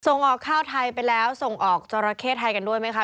ส่งออกข้าวไทยไปแล้วส่งออกจราเข้ไทยกันด้วยไหมคะ